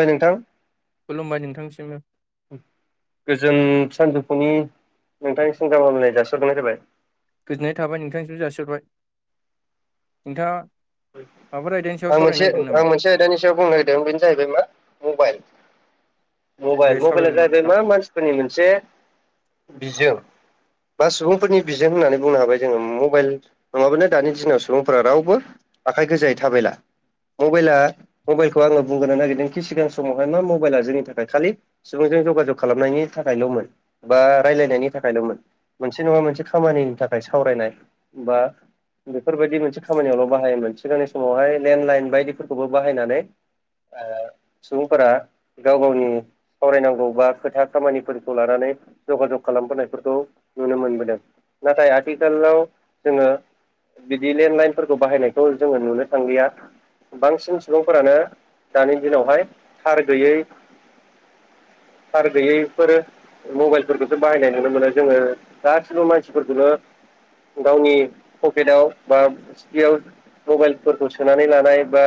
ओइ नोंथां खुलुमबाय नोंथांसिमबो जों सानजौफुनि नोंथांनि सिगांग्रो गाहाम हामलायथि लाय जासिहरनाय जाबाय गोजोननाय थाबाय नोंथांसिबो जासिरबाय नोंथाङा औ माबाफोर आयदानि सायाव आं सावरायनो मोनसे नागिरदों नामा आं मोनसे आयदानि सायाव बुंनो नागिरदों बेनो जाहैबाय मा मबाइल दे मबाइल मबाइल सावरायलांदो जाहैबाय नोंथां मा मानसिफोरनि मोनसे बिजों बा सुबुंफोरनि बिजों होननानै बुंनो हाबाय जोङो मबाइल नङाबानो दानि दिनाव सुबुंफोरा रावबो आखाय गोजायै थाबायला मबाइला मबाइलखौ आङो बुंग्रो नागिरदोंखि सिगां समावहाय मा मबाइला जोंनि थाखाय खालि सुबुं जगाजग खालामनायनि थाखायल'मोन बा रायलायनायनि थाखायल'मोन मोनसे नङा मोनसे खामानिनि थाखाय नाय सावरायनाय बा बेफोर बादि मोनसे खामानियावल बाहायोमोन सिगांनि समावहाय लेणडलाइन बायदिफोरखौबो बाहायनानै ओ सुबुंफोरा गाव गावनि सावरायनांगौ बा खोथा खामानिफोरखौ लानानै जग जग खालामबोनायफोरखौ नुनो मोनबोदों नाथाय आथिखालाव जोङो बिदि लेन्डलाइनफोरखौ बाहायनायखौ जोङो नुनो थांलिया बांसिन सुबुंफोरानो दानि दिनावहाय थार गैयै [inaudible] थार गैयैफोर मबाइलफोरखौसो बाहायनाय नुनो मोनो जोङो गासिबो मानसिफोरखौनो गावनि पकेटआव बा सिटियाव मबाइलफोरखौ सोनानै लानाय बा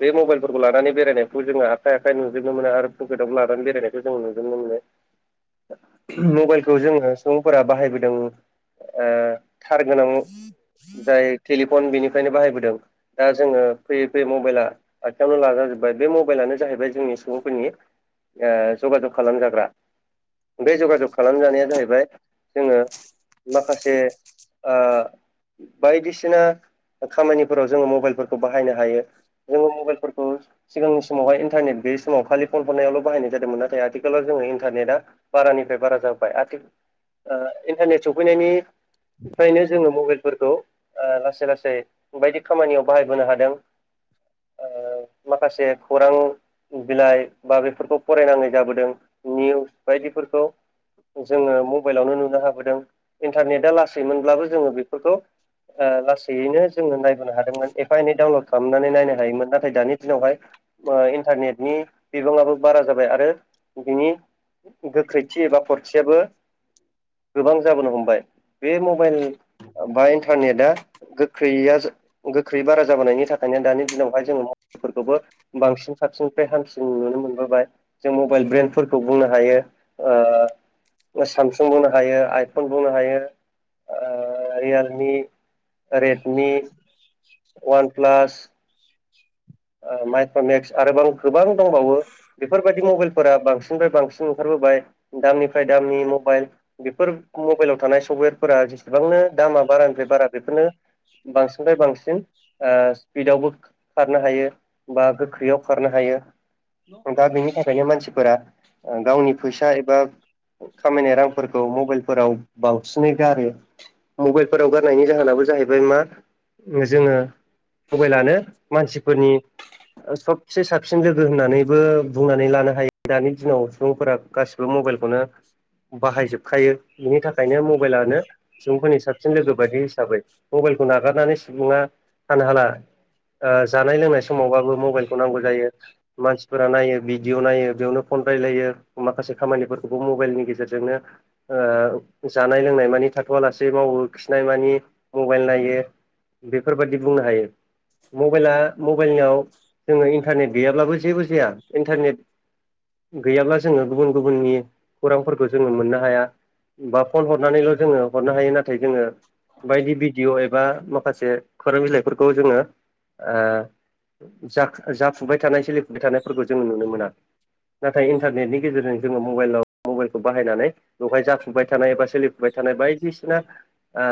बे मबाइलफोरखौ लानानै बेरायनायखौ जोङो आखाइ आखाइ नुजोबनो मोनो बखेदावबो लानानै बेरायनायखौ जों नुदों मबाइलखौ जोङो सुबुंफोरा बाहायबोदों ओ थार गोनां जाय टेलिफन बेनि बाहायबोदों दा जोङो फैयै फैयै मबाइला आथिङावनो लाज जोब्बाय बे मबाइलानो जाहैबाय जोंनि सुबुंफोरनि ओ जग जग खालाम जाग्रा बे जगाजग खालामजानाया जाहैबाय जोङो माखासे ओ बायदिसिना खामानिफोराव जोङो मबाइलफोरखौ बाहायनो हायो जोङो मबाइलफोरखौ सिगांनि समावहाय इन्टारनेट बे समाव खालि फन हनायावल' बाहायनाय जादोंमोन नाथाय आथिखालाव जोङो इन्टारनेटआ बारानिफ्राय बारा जाबोबाय। ओ इन्टारनेट सौफैनायनिफ्रायनो जोङो मबाइलफोरखौ ओ लासै लासै बायदि खामानियाव बाहायबोनो हादों ओ माखासे खौरां बिलाइ बा बेफोरखौ फरायनाङै जाबोदों निउस बायदिफोरखौ जोङो मबाइलावनो नुनो हाबोदों इन्टारनेटआ लासैमोनब्लाबो जोङो बेफोरखौ। ओ लासैयैनो। जोङो नायबोनो हादोंमोन एफा एनै डाउनलड खालामनानै नायनो हायोमोन नाथाय दानि ओ दिनावहाय इन्टारनेटनि। बिबाङाबो बारा जाबाय आरो बिनि। गोख्रैथि एबा खरथियाबो‌। गोबां जाबोनो हमबाय बे मबाइल बा इन्टारनेटआ। गोख्रैया गोख्रै बारा जाबोनायनि थाखायनो दानि दिनावहाय जोङो मफोरखौबो बांसिन साबसिन। फ्राय हामसिन नुनो मोनबोबाय जों मबाइल ब्रेन्डफोरखौ बुंनो हायो ओ। सामसुं बुंनो हायो आइफन बुंनो हायो ओ रियेलमि। Redmi, OnePlus. [inaudible] माइथक्रमेक्स आरोबाव गोबां दंबावो। बेफोरबायदि मबाइलफोरा बांसिननिफ्राय बांसिन ओंखारबोबाय दामनिफ्राय दामनि मबाइल बेफोर। मबाइलाव थानाय सफ्टवेरफोरा जेसेबांनो दामा बारानिफ्राय बारा बेफोरनो। बांसिननिफ्राय बांसिन ओ स्पिपिडआवबो खारनो हायो। बा गोख्रैयाव खारनो हायो दा बेनि थाखायनो मानसि। फोरा गावनि फैसा एबा। खामायनाय रांफोरखौ मबाइलफोराव बांसिनै गारो मबाइलफोराव गारनायनि जाहोनाबो। बे जाहैबाय मा जोङो मबाइलानो मानसिफोरनि। ओ सबसे साबसिन लोगो होननानैबो बुंनानै लानो हायो दानि दिनाव सुबुंफोरा गासिबो मबाइलखौ। खौनो बाहायजोबखायो। बिनि थाखायनो मबाइलानो सुबुंफोरनि साबसिन लोगो बायदि हिसाबै। मबाइलखौ नागारनानै सुबुङा थानो हाला ओ जानाय-लोंनाय। समावबाबो मबाइल खौ नांगौ जायो मानसिफोरा नायो भिडिअ नायो बेयावनो फन रायलायो माखासे। खामानिफोरखौबो मबाइलनि गेजेरजोंनो ओ जानाय-लोंनाय मानि थाथ'आलासे मावो खि। नाय मानि मबाइल नायो बेफोरबादि बुंनो हायो मबाइला। मबाइलाव जोङो इन्टारनेट गैयाब्लाबो जेबो जाया इन्टारनेट। गैयाब्ला जोङो गुबुन-गुबुननि खौरांफोरखौ जोङो मोननो हाया। बा फन हरनानैल' जोङो हरनो हायो नाथाय जोङो। बायदि भिडिअ एबा माखासे खौरां बिलाइफोरखौ जोङो ओ। जाख जाफुबाय थानाय, सोलिफुबाय थानायफोरखौ जोङो नुनो मोना। नाथाय इन्टारनेटनि गेजेरजों जोङो मबाइलाव मबाइलखौ बाहायनानै बेवहाय जाफुबाय थानाय बा। सोलिफुबाय थानाय बायदिसिना। ओ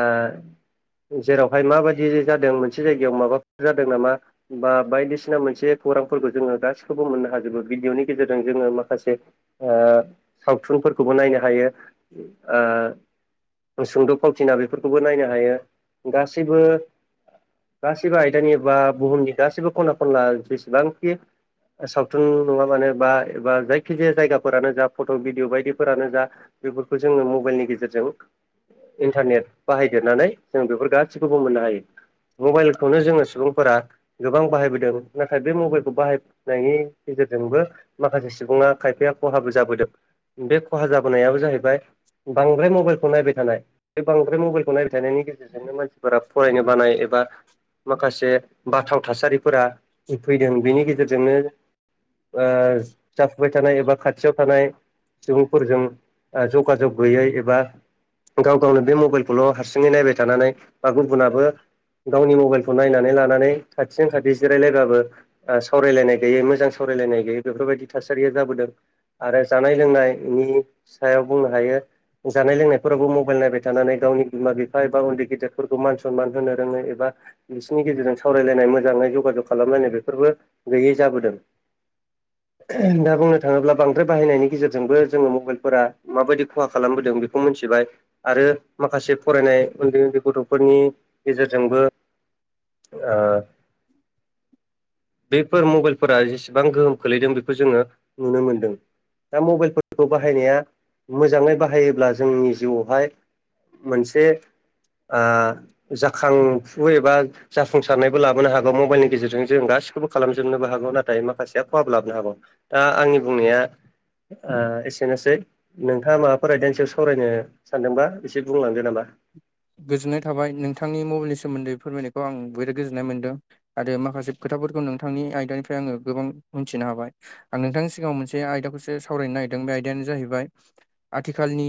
जेरावहाय माबायदि जादों मोनसे जायगायाव माबाफोर जादों नामा। बा बायदिसिना मोनसे खौरांफोरखौ जोङो गासिखौबो मोननो हाजोबो भिडिअनि गेजेरजों जोङो माखासे। ओ सावथुनफोरखौबो नायनो हायो ओ। सुंद' फावथिना बेफोरखौबो नायनो हायो गासैबो। गासिबो आयदानि बा बुहुमनि गासिबो खना-खनला जेसेबांखि। सावथुन नङाबानो बा एबा जायखि जाया जायगाफोरानो जा फट' भिडिअ बायदिफोरानो जा‌ बेफोरखौ जोङो मबाइलनि गेजेरजों। इन्टारनेट बाहायदेरनानै जों बेफोर गासिखौबो मोननो हायो। मबाइलखौनो जोङो सुबुंफोरा। गोबां बाहायबोदों नाथाय बे मबाइलखौ बाहाय नायनि गेजेरजोंबो माखासे सुबुंङा खायफाया। खहाबो जाबोदों बे खहा जाबोनायाबो जाहैबाय। बांद्राय मबाइलखौ नायबाय थानाय बे बांद्राय मबाइलखौ नायबाय थानायनि गेजेरजोंनो मानसिफोरा फरायनो बानाय एबा। बा माखासे बाथाव थासारिफोरा फैदों बेनि गेजेरजोंनो। ओ जाफुबाय थानाय एबा खाथियाव थानाय। सुबुंफोरजों ओ जगाजग गैयै एबा। गाव-गावनो बे मबाइलखौल' हारसिङै नायबाय थानानै बा गुबुनाबो। गावनि मबाइलखौ नायनानै लानानै। खाथिजों खाथि जिरायलायबाबो ओ सावरायलायनाय गैयै मोजां सावरायलायनाय गैयै बेफोरबायदि थासारिया जाबोदों आरो जानाय लोंनायनि सायाव बुंनो हायो जानाय लोंनायफोरावबो मबाइल नायबाय थानानै गावनि बिमा बिफा एबा उन्दै गेदेरफोरखौ मान सनमान होनो रोङै एबा बिसनि गेजेरजों सावरायलायनाय मोजाङै जगाजग खालामलायनाय बेफोरबो गैयै जाबोदों दा बुंनो थाङोब्ला बांद्राय बाहायनायनि गेजेरजोंबो जोङो मबाइलफोरा माबायदि खहा खालामबोदों बेखौ मोनसे थिबाय आरो माखासे फरायनाय उन्दै उन्दै गथ'फोरनि गेजेरजोंबो ओ बेफोर मबाइलफोरा जेसेबां गोहोम खोलैदों बेखौ जोङो नुनो मोनदों दा मबाइलफोरखौ बाहायनाया मोजाङै बाहायोब्ला जोंनि जिउआवहाय मोनसे आ जाखांफु एबा जाफुंसारनायबो लाबोनो हागौ मबाइलनि गेजेरजों जों गासिखौबो खालामजोबनोबो हागौ नाथाय माखासेया खहाब लाबोनो हागौ। दा आंनि बुंनाया आ एसेनोसै नोंथाङा माबाफोर आयदानि सायाव सावरायनो सानदोंबा एसे बुंलांदो नामा। गोजोननाय थाबाय नोंथांनि मबाइलनि सोमोन्दै फोरमायनायखौ आं बिराद गोजोननाय मोनदों आरो माखासे खोथा फोर नोंथांनि आयदानिफ्राय आङो गोबां मिथिनो हाबाय आं नोंथांनि सिगाङाव मोनसे आयदाखौसो सावरायनो ओं बे आयदायानो जाहैबाय आथिखालनि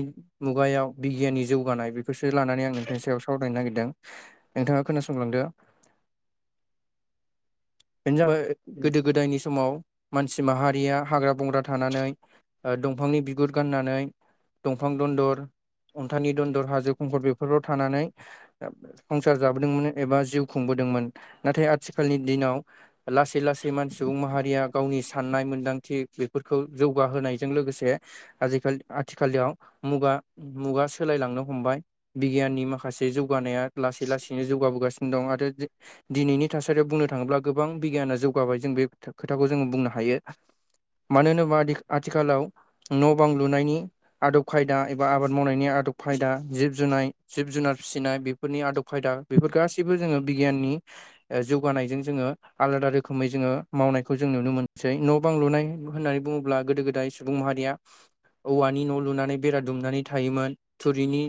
मुगायाव बिगियाननि जौगानाय बेफोरसो लानानै आं [unintelligible] नि सायाव सावरायनो नागिरदों नोंथाङा खोनासंलांदो। बेनो जाबाय गोदो गोदायनि समाव मानसि माहारिया हाग्रा बंग्रा थानानै ओ दंफांनि बिगुर गाननानै दंफां दन्दर अन्थानि दन्दर हाजो खुंखद बेफोराव थानानै संसार जाबोदोंमोन एबा जिउ खुंबो दोंमोन नाथाय आथिखालनि दिनाव लासै लासै मान सुबुं माहारिया गावनि साननाय मोन्दांथि बेफोरखौ जौगाहोनायजों लो गोसे आजिखाल आथिखालयाव मुगा मुगा सोलायलांनो हमबाय बिगियाननि माखासे जौगानाया लासै लासैनो जौगाबोगासिनो दं आरो दि दिनैनि थासारियाव बुंनो थाङोब्ला गोबां बिगियाना जौगाबाय जों बे खोथा खोथाखौ जोंङो बुंनो हायो। मानो होनोबा आदि आथिखालाव न' बां लुनायनि आदब खायदा एबा आबाद मावनायनि आदब खायदा जिब जुनाय जिब-जुनार फिसिनाय बेफोरनि आदब खायदा बेफोर गासैबो जोङो बिगियाननि ओ जौगानायजों जोङो आलादा रोखोमै जोङो मावनायखौ जों नुनो मोनसै न' बां लुनाय होननानै बुङोब्ला गोदो गोदाय सुबुं मारिया औवानि न' लुनानै बेरा दुमनानै थायोमोन थुरिनि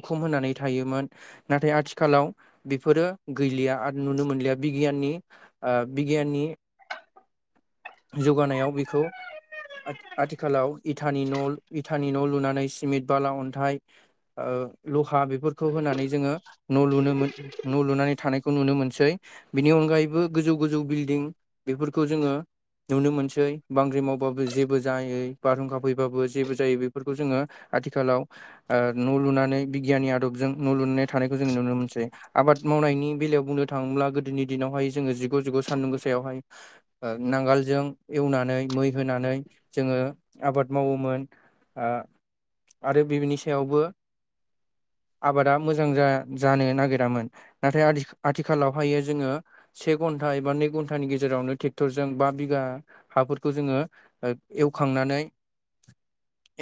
उखुम होनानै थायोमोन ना थाय आथिखालाव बेफोरो गैलिया आरो नुनो मोनलिया बिगियाननि आ बिगियाननि जौगानायाव बेखौ आथिखालाव इथानि न' इथानि न' लुनानै सिमेन्ट बाला, अन्थाइ ओ लहा बेफोरखौ होनानै जोङो न' लुनोमोन न' लुनानै थानायखौ नुनो मोनसै। बिनि अनगायैबो गोजौ गोजौ बिल्डिं बेफोरखौ जोङो नुनो मोनसै बांग्रि मावबाबो जेबो जायै बारहुंखा फैबाबो जेबो जायो बेफोरखौ जोङो आथिखालाव ओ न' लुनानै बिगियाननि आदबजों न' लुनानै थानायखौ जों नुनो मोनसै आबाद मावनायनि बेलायाव बुंनो थाङोब्ला गोदोनि दिनावहाय जोंङो जिगु जिगु सान्दुं गोसायावहाय ओ नांगालजों एवनानै मै होनानै जोंङो ओ आबाद मावोमोन आ आरो बिनि सायावबो [inaudible] आबादा मोजां जानो नागिरामोन नाथाय आथिखालावहायो जोङो। से घन्टा एबा नै घन्टानि गेजेरावनो ट्रेक्टरजों बा बिघा हाफोरखौ जोङो ओ ए खांनानै [inaudible]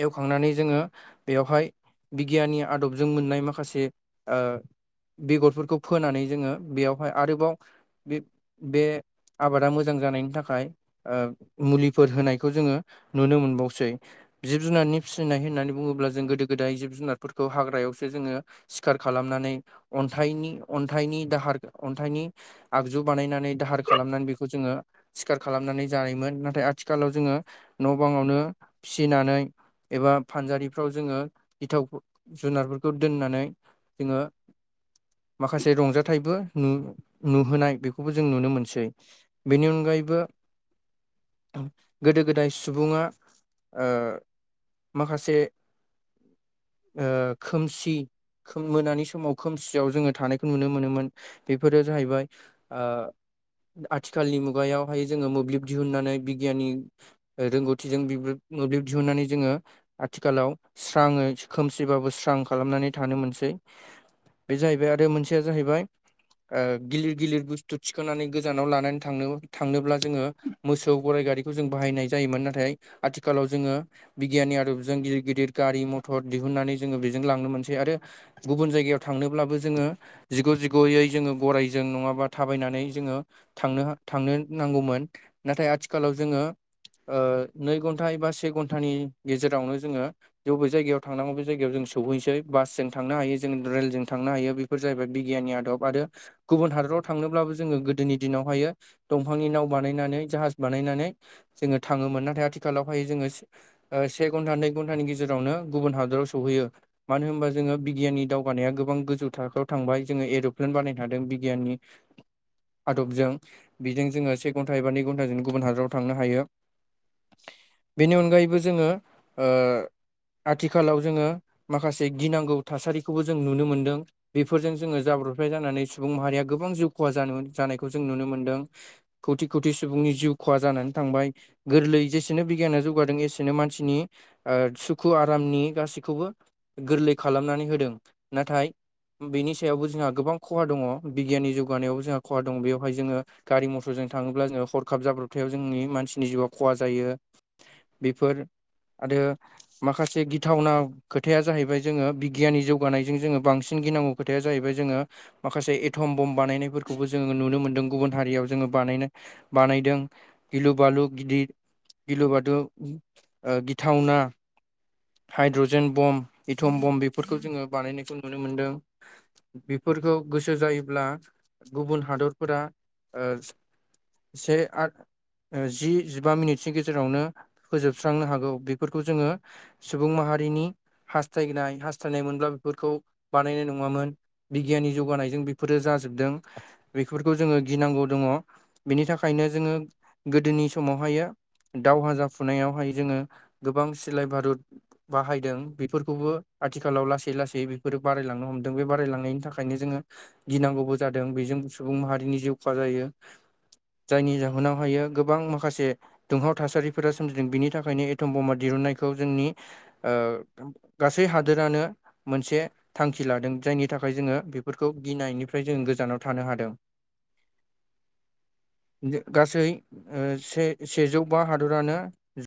एवखांनानै जोङो बेवहाय बिगियाननि आदबजों मोननाय माखासे ओ बेगरफोरखौ फोनानै जोङो बेयावहाय आरोबाव बे बे आबादा मोजां जानायनि थाखाय ओ मुलिफोर होनायखौ जोङो नुनो मोनबावसै। जिब जुनारनि फिसिनाय होननानै बुङोब्ला जों गोदो गोदाय जिब जुनारफोरखौ हाग्रायावसो जोङो सिखार खालाम नानै अन्थाइनि अन्थाइनि दाहार अन्थाइनि आगजु बानायनानै दाहार खालामनानै बेखौ जोङो सिखार खालामनानै जानायोमोन नाथाय आथिखालाव जोङो। न' बाङावनो फिसिनानै एबा फानजारिफ्राव जोङो गिथाव जुनार दोननानै जोङो माखासे रंजाथाइबो नु होनाय बेखौबो जों नुनो मोनसै बेनि अनगायैबो गोदो गोदाय सुबुङा माखासे ओ खोमसि खोम मोनानि समाव खोमसियाव जोङो थानायखौ नुनो मोनोमोन बेफोरो जाहैबाय। आ। आथिखालनि मुगायावहाय जोङो मोब्लिब दिहुनन्नानै बिगियाननि रोंगौथिजों मोब्लिब दिहुननानै जोङो आथिखालाव स्राङै खोमसिबाबो स्रां खालामनानै थानो मोनसे बे जाहैबाय आरो मोनसेया जाहैबाय ओ गिलित गिलिर बुस्थु थिखांनानै गोजानाव लानानै थांनो थांनोब्ला जोङो मोसौ गराइ गारिखौ जों बाहायनाय जायोमोन नाथाय आथिखालाव जोङो बिगियाननि आदबजों गिदिर गिदिर गारि मथर तद दिहुननानै जोङो बेजों लांनो मोनसै आरो गुबुन जायगायाव थांनोब्लाबो जोङो जिगु जिगयै जोङो गराय जों नङाबा थाबायनानै जोङो थांनो-थांनो नांगौमोन नाथाय आथिखालाव जोङो ओ नै घन्टा एबा से घन्टानि गेजेरावनो जोङो जबे जायगायाव थांनांगौ बे जायगायाव जों सौहैनोसै बासजों थांनो हायो जों रेलजों थांनो हायो बेफोर जाहैबाय बिगियाननि आदब आरो गुबुन हादराव थांनोब्लाबो जोङो गोदोनि दिनावहायो दंफांनि नाव बानायनानै जाहाज बानायनानै जोङो थाङोमोन नाथाय आथिखालावहाय जोङो से घन्टा नै घन्टानि गेजेरावनो गुबुन हादराव सौ बैयो मानो होनबा जोङो बिगियाननि दावगानाया गोबां गोजौ थाखोआव थांबाय जोङो एरु'प्लेन बानायनो हादों। गायाननि आदबजों बेजों जोङो से घन्टा एबा नै घन्टाजों गुबुन हादराव थांनो हायो। बेनि अनगायैबो जोङो ओ आथिखालाव जोङो माखासे गिनांगौ थासारिखौबो जों नुनो मोनदों बेफोरजों जोङो जाबाय [inaudible] जानानै। सुबुं माहारिया गोबां जिउ खहा जानो जानायखौ जों नुनो मोनदों खौथि खौथि सुबुंनि जिउ खहा जानानै थांबाय गोरलै जेसेनो बिगियाना जौगादों एसेनो मानसिनि सुखु आरामनि गासै। बेखौबो गोरलै खालामनानै होदों नाथाय बेनि सायावबो जोंहा गोबां खहा। दङ बिगियाननि जौगानायाव जोंहा खहा दङ बेयावहाय जोङो गारि मथरजों थाङोब्ला जोङो हरखाब जाब्रबथायाव जों [unintelligible] मानसिनि जिउआ खहा जायो बेफोर। आरो माखासे गिथावना खोथाया जाहैबाय जोङो बिगियाननि जौगानायजों जोङो बांसिन। गिनांगौ खोथाया जाहैबाय जोङो। माखासे एथम बम्ब बानायनायफोरखौबो जोङो नुनो मोनदों गुबुन हारियाव जोङो बानायनो बानायदों गिलु बालु गिदित गिलु बाथु गिथावना हाइद्रजेन बम्ब इथम बम्ब बेफोरखौ जोङो बानायनायखौ नुनो मोनदों। बेफोरखौ गोसो जायोब्ला गुबुन हादरफोरा ओ से आरो ओ जि जिबा मिनिस्टि गेजेरावनो फोजोबस्रांनो हागौ बेफोरखौ जोङो। सुबुं माहारिनि हास्थायगनाय हास्थायनाय मोनब्ला बेफोरखौ बानायनाय नङामोन। बिगियाननि जौगानायजों बेफोरो जाजोबदों बेफोरखौ जोङो गिनांगौ दङ बेनि थाखाय नो ज गोदोनि समावह दावहा जाफुनायावह जो गोबां सिलाय भारूत बाहायदों बेफोरखौबो आथिखालाव लासै लासै बेफोरो बारायलांनो हमदों बे बारायलांनायनि थाखायनो जोङो गिनांगौबो जादों बेजों सुबुं माहारिनि जिउ खहा जायो। जायनि जाहोनाव हायो गोबां माखासे दुंहाव थासारिफोरा सोमजिदों बिनि थाखायनो एथम बमा दिरुनाय खौ जोंनि ओ गासै हादोरानो मोनसे थांखि लादों जायनि थाखा बाय जोङो बेफोरखौ गिनायनिफ्राय जों गोजानाव थानो हादों। [inaudible] गासै ओ से सेजौ बा हादरानो